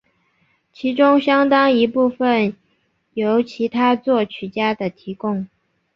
其中相当一部分由其他作曲家的提供。